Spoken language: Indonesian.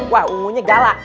wah ungunya galak